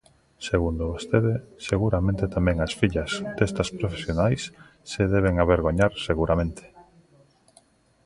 Segundo vostede, seguramente tamén as fillas destas profesionais se deben avergoñar, seguramente.